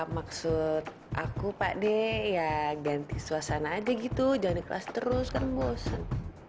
maksud aku pakde ya ganti suasana aja gitu jangan kelas terus kan bosen